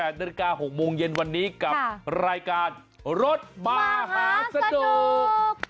นาฬิกา๖โมงเย็นวันนี้กับรายการรถมหาสนุก